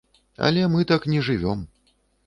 Але мы так не жывём.